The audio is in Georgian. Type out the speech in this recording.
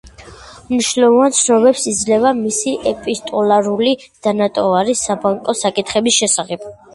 მნიშვნელოვან ცნობებს იძლევა მისი ეპისტოლარული დანატოვარი საბანკო საკითხების შესახებ.